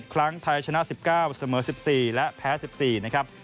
ครั้งไทยชนะ๑๙เสมอ๑๔และแพ้๑๔นะครับ